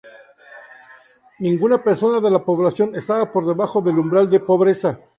Ninguna persona de la población estaba por debajo del umbral de pobreza.